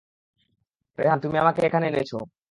রেহান, তুমি আমাকে এখানে এনেছো?